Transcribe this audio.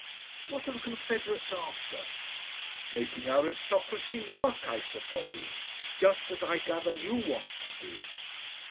"What are the Confederates after?" "Making aristocracy work, I suppose. Just as, I gather, you want to do."...